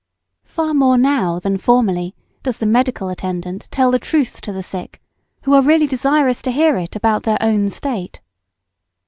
Far more now than formerly does the medical attendant tell the truth to the sick who are really desirous to hear it about their own state.